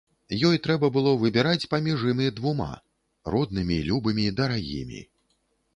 Ёй трэба было выбіраць паміж імі двума, роднымі, любымі, дарагімі.